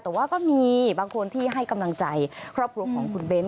แต่ว่าก็มีบางคนที่ให้กำลังใจครอบครัวของคุณเบ้น